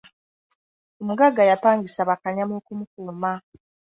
Omuggaga yapangisa bakanyama okumukuuma.